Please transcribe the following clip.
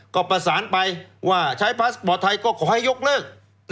ก็ประสานไปว่าใช้พาสปอร์ตไทยก็ขอให้ยกเลิก